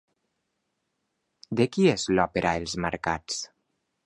De qui és l'òpera Els marcats?